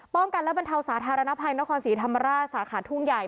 ป้องกันและบรรเทาสาธารณภัยนครศรีธรรมราชสาขาทุ่งใหญ่